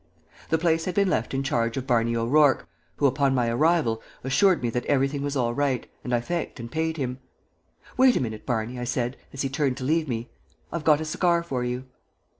The place had been left in charge of Barney O'Rourke, who, upon my arrival, assured me that everything was all right, and I thanked and paid him. "Wait a minute, Barney," I said, as he turned to leave me; "I've got a cigar for you."